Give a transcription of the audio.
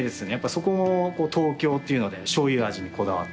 そこも東京っていうのでしょうゆ味にこだわってます。